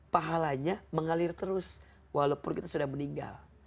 pahalanya mengalir terus walaupun kita sudah meninggal